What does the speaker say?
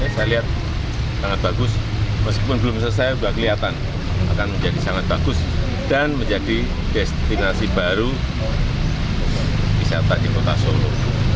saya lihat sangat bagus meskipun belum selesai sudah kelihatan akan menjadi sangat bagus dan menjadi destinasi baru wisata di kota solo